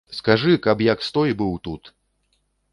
Скажы, каб як стой быў тут.